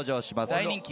大人気。